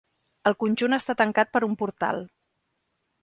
El conjunt està tancat per un portal.